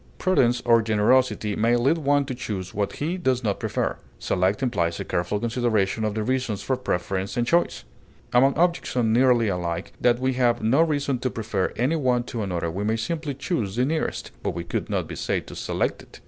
Prudence or generosity may lead one to choose what he does not prefer. Select implies a careful consideration of the reasons for preference and choice. Among objects so nearly alike that we have no reason to prefer any one to another we may simply choose the nearest, but we could not be said to select it.